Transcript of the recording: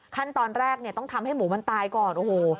ขั้นตอนแรกเนี่ยต้องทำให้หมูมันตายก่อนโอ้โห